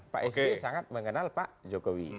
pak sby sangat mengenal pak jokowi